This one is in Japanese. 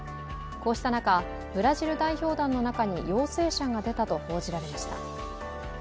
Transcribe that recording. こうした中、ブラジル代表団の中に陽性者が出たと報じられました。